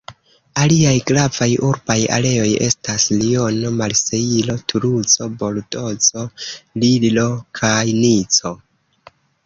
Aliaj gravaj urbaj areoj estas Liono, Marsejlo, Tuluzo, Bordozo, Lillo kaj Nico.